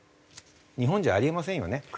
日本じゃあり得ませんよね。